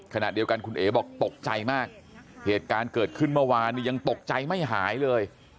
ขณะเดียวกันคุณเอ๋บอกตกใจมากเหตุการณ์เกิดขึ้นเมื่อวานนี้ยังตกใจไม่หายเลย